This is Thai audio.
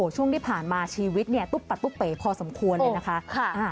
ช่วงที่ผ่านมาชีวิตเนี่ยตุ๊บปัตตุ๊เป๋พอสมควรเลยนะคะ